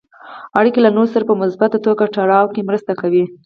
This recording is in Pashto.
اړیکې له نورو سره په مثبته توګه تړاو کې مرسته کوي.